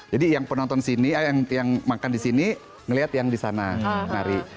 jadi yang penonton sini yang makan disini ngelihat yang disana nari